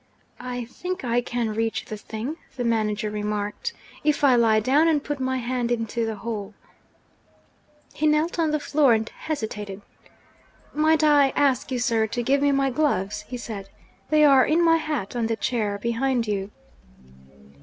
'I think I can reach the thing,' the manager remarked, 'if I lie down, and put my hand into the hole.' He knelt on the floor and hesitated. 'Might I ask you, sir, to give me my gloves?' he said. 'They are in my hat, on the chair behind you.'